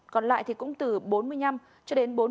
còn lại thì cũng từ bốn mươi năm đồng cho đến năm mươi đồng